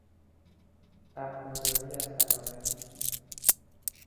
برخورداری از سلامتی